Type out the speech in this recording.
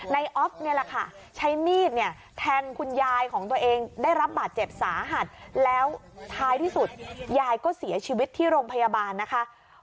ออฟนี่แหละค่ะใช้มีดเนี่ยแทงคุณยายของตัวเองได้รับบาดเจ็บสาหัสแล้วท้ายที่สุดยายก็เสียชีวิตที่โรงพยาบาลนะคะ